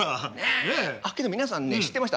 けど皆さんね知ってました？